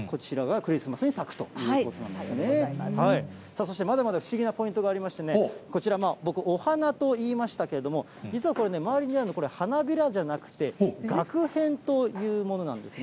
そしてまだまだ不思議なポイントがありましてね、こちら、僕、お花といいましたけれども、実はこれ、周りにあるのはこれ、花びらじゃなくて、がく片というものなんですね。